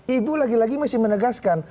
ibu lagi lagi masih menegaskan